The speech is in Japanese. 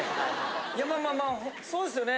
いやまあまあそうですよね。